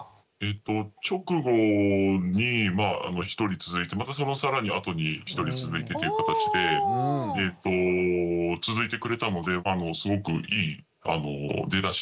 直後に１人続いてまたその更にあとに１人続いてというかたちで続いてくれたのですごくいい出だしになったかなと思ってはいます。